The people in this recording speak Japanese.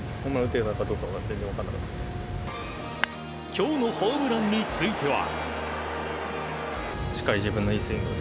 今日のホームランについては。